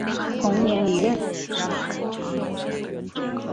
同年离任。